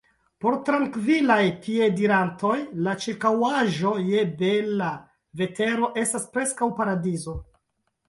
Por trankvilaj piedirantoj la ĉirkaŭaĵo, je bela vetero, estas preskaŭ paradizo.